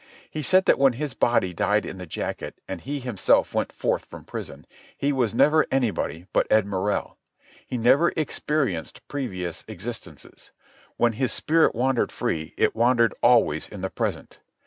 He said that when his body died in the jacket, and he himself went forth from prison, he was never anybody but Ed Morrell. He never experienced previous existences. When his spirit wandered free, it wandered always in the present.